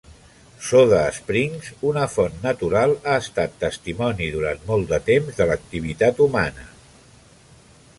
Soda Springs, una font natural, ha estat testimoni durant molt temps de l'activitat humana.